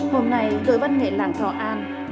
hôm nay tôi văn nghệ làng thọ an